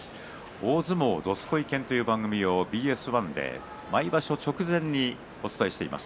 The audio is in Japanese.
「大相撲どすこい研」という番組をＢＳ１で毎場所直前にお伝えしています。